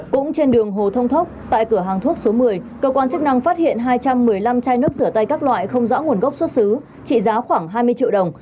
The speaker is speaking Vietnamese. cũng trên đường hồ thông thốc tại cửa hàng thuốc số một mươi cơ quan chức năng phát hiện hai trăm một mươi năm chai nước rửa tay các loại không rõ nguồn gốc xuất xứ trị giá khoảng hai mươi triệu đồng